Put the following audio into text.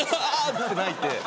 って泣いて。